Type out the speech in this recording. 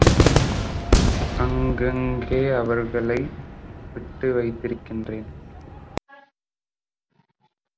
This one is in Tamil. அங்கங்கே அவர்களை விட்டு வைத்திருக்கிறேன்.